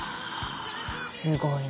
すごいね。